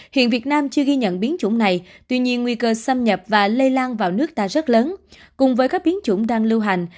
hiện việt nam chưa ghi nhận biến chủng này tuy nhiên nguy cơ xâm nhập và lây lan vào nước ta rất lớn cùng với các biến chủng đang lưu hành